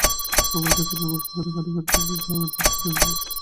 অবরোধের কারণে ব্যক্তিগত গাড়ি বের করেননি ঢাকা জজকোর্টের আইনজীবী খোদেজা নাসরিন আক্তার।